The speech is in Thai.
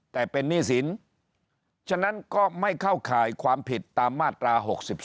แต่เป็นหนี้สินฉะนั้นก็ไม่เข้าข่ายความผิดตามมาตรา๖๒